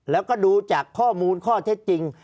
ภารกิจสรรค์ภารกิจสรรค์